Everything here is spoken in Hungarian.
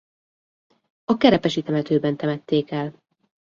A Kerepesi temetőben temették el.